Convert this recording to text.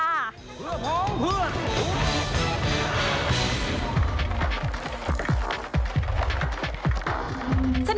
เพื่อพร้อมเพื่อน